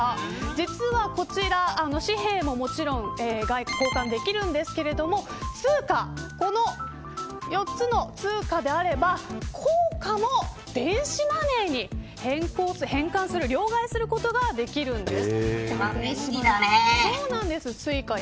実はこちら、紙幣ももちろん交換できるんですけれどもこの４つの通貨であれば硬貨も電子マネーに両替することができるんです。